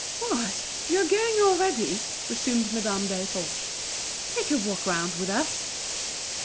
"What! you are going already?" resumed Madame Desforges. "Take a walk round with us."